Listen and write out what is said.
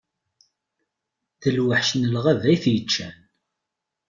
D lweḥc n lɣaba i t-iččan.